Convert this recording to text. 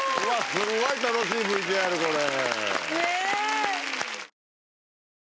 すごい楽しいＶＴＲこれ。